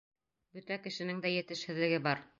Бөтә кешенең дә етешһеҙлеге бар.